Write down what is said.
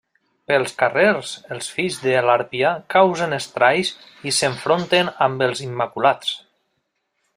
Pels carrers els Fills de l'Harpia causen estralls i s'enfronten amb els Immaculats.